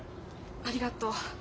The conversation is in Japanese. ありがとう。